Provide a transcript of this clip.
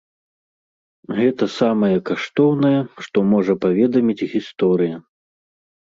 Гэта самае каштоўнае, што можа паведаміць гісторыя.